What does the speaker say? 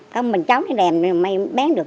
còn mình cháu nó làm thì bén được